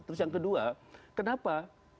terus yang kedua kenapa